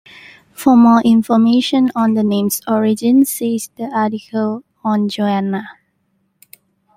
For more information on the name's origin, see the article on Joanna.